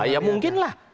ya mungkin lah